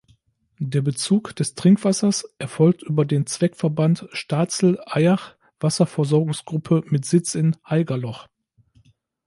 Der Bezug des Trinkwassers erfolgt über den Zweckverband Starzel-Eyach-Wasserversorgungsgruppe mit Sitz in Haigerloch.